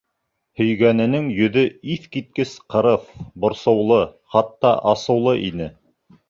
Һөйгәненең йөҙө иҫ киткес ҡырыҫ, борсоулы, хатта асыулы ине.